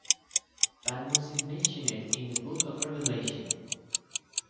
Patmos is mentioned in the Book of Revelation.